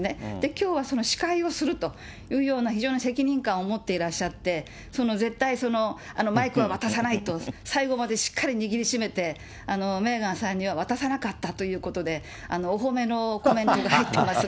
きょうはその司会をするというような非常な責任感を持っていらっしゃって、その絶対マイクは渡さないと、最後までしっかり握りしめて、メーガンさんには渡さなかったということで、お褒めのコメントが入ってますね。